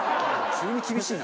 急に厳しいな。